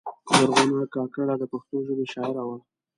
زرغونه کاکړه د پښتو ژبې شاعره وه.